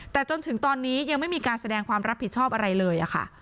แต่จนถึงตอนนี้ยังไม่มีการแสดงความรับผิดชอบอะไรเลยค่ะ